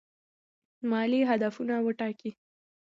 مالي هدفونه وټاکئ.